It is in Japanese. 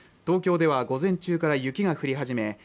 東京では午前中から雪が降り始め